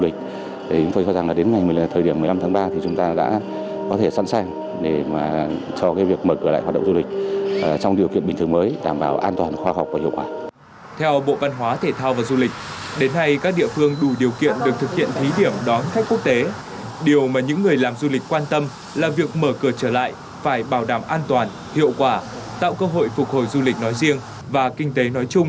cho nên chúng tôi chỉ muốn nói là mở cửa cho ngành du lịch ngày một mươi năm tháng ba thực chất là mở cửa cho toàn ngành kinh tế của chúng ta